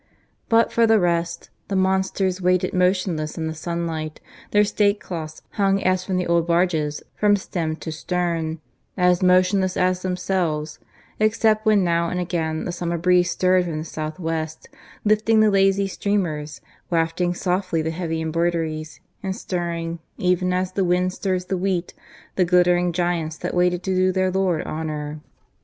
But, for the rest, the monsters waited motionless in the sunlight, their state cloths, hung as from the old barges, from stem to stern, as motionless as themselves, except when now and again the summer breeze stirred from the south west, lifting the lazy streamers, wafting softly the heavy embroideries, and stirring, even as the wind stirs the wheat, the glittering giants that waited to do their Lord honour.